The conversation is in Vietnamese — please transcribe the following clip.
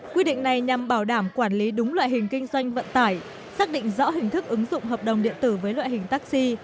quy định này nhằm bảo đảm quản lý đúng loại hình kinh doanh vận tải xác định rõ hình thức ứng dụng hợp đồng điện tử với loại hình taxi